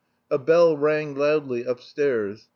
A bell rang loudly upstairs.